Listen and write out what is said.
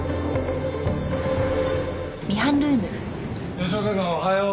吉岡君おはよう。